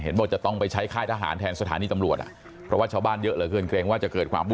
เห็นบอกจะต้องไปใช้ค่ายทหารแทนสถานีตำรวจ